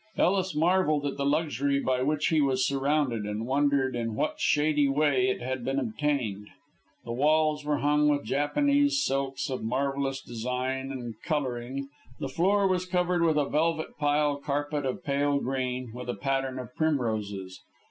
Ellis marvelled at the luxury by which he was surrounded, and wondered in what shady way it had been obtained. The walls were hung with Japanese silks of marvellous design and colouring, the floor was covered with a velvet pile carpet of pale green, with a pattern of primroses.